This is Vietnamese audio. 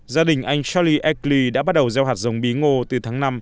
gia đình anh charlie ackley đã bắt đầu gieo hạt giống bí ngô từ tháng năm